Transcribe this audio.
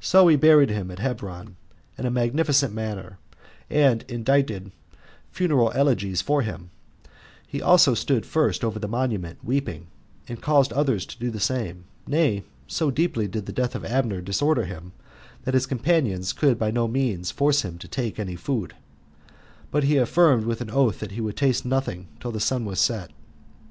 So he buried him at Hebron in a magnificent manner, and indited funeral elegies for him; he also stood first over the monument weeping, and caused others to do the same; nay, so deeply did the death of Abner disorder him, that his companions could by no means force him to take any food, but he affirmed with an oath that he would taste nothing till the sun was set.